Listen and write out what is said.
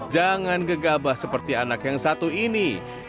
jangan gegabah seperti anak yang satu ini